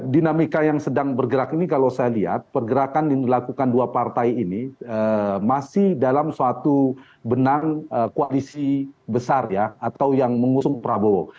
dinamika yang sedang bergerak ini kalau saya lihat pergerakan yang dilakukan dua partai ini masih dalam suatu benang koalisi besar ya atau yang mengusung prabowo